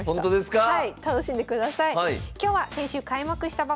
はい。